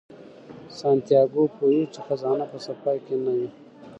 سانتیاګو پوهیږي چې خزانه په سفر کې نه وه.